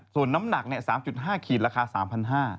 ส่วนน้ำหนัก๓๕ขีดราคา๓๕๐๐บาท